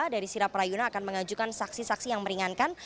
dari sira prayuna akan mengajukan saksi saksi yang meringankan